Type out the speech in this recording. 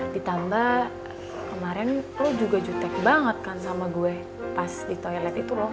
ditambah kemarin lu juga jutek banget kan sama gue pas di toilet itu loh